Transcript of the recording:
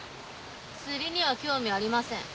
釣りには興味ありません。